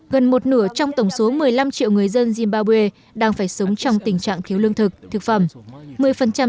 gần một nửa trong tổng số một mươi năm triệu người dân zimbabwe đang phải sống trong tình trạng thiếu lương thực thực phẩm